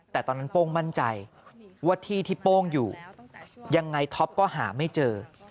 แต่ตอนนั้นโป้งมั่นใจว่าที่ที่โป้งอยู่ยังไงท็อปก็หาไม่เจอ